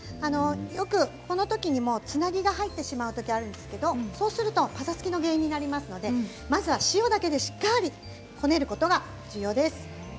よくこのときに、つなぎが入ってしまうときがあるんですけれどそうするとぱさつきの原因になりますので、まずは塩だけでしっかりこねることが重要です。